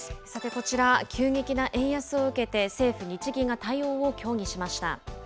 こちら、急激な円安を受けて、政府・日銀が対応を協議しました。